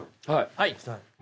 はい。